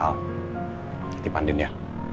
kalm nanti pandiin ya